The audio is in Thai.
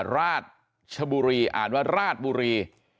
ราชบุรีอ่านว่าราชบุรี